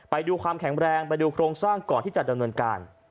ไปดูความแข็งแรงไปดูโครงสร้างก่อนที่จะดำเนินการ